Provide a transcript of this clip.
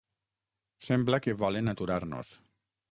Sembla que volen aturar-nos.